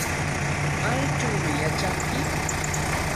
¿Maychawmi yachanki?